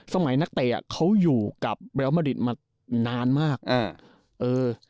สมัยนักเต๋อ่ะเขาอยู่กับเรียลมาตริตมานานมากเออเออ